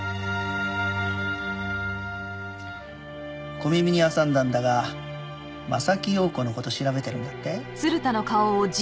小耳に挟んだんだが柾庸子の事調べてるんだって？